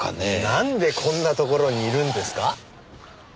なんでこんな所にいるんですか？